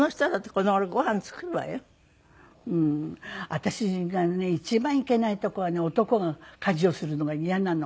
私がね一番いけないとこはね男が家事をするのがイヤなの。